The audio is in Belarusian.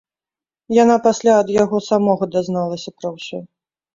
Яна пасля ад яго самога дазналася пра ўсё.